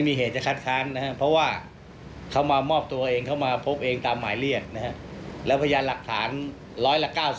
มีเหตุจะคัดทางเพราะว่าเขามามอบตัวเองเข้ามาพบเองตามหมายเรียกแล้วพยายามหลักฐาน๑๐๐หละ๙๐